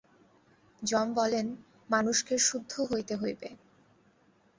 যম বলেন, মানুষকে শুদ্ধ হইতে হইবে।